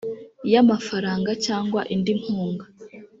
y amafaranga cyangwa indi nkunga